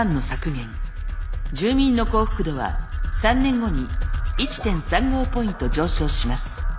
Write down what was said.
住民の幸福度は３年後に１．３５ポイント上昇します。